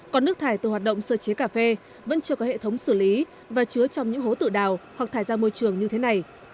còn nước thải từ hoạt động sơ chế cà phê vẫn chưa có hệ thống xử lý và chứa trong những hố tự đào hoặc thải ra môi trường như thế này